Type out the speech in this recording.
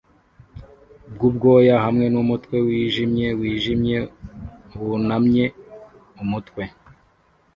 bwubwoya hamwe numutwe wijimye wijimye wunamye umutwe